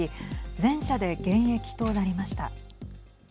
全社で減益となりました。